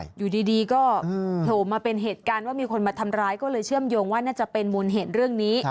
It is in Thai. อยู่ดีก็โผล่มาเป็นเหตุการณ์ว่ามีคนมาทำร้ายก็เลยเชื่อมโยงว่าน่าจะเป็นมูลเหตุเรื่องนี้